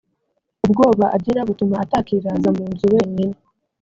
ubwoba agira butuma atakiraza mu nzu wenyine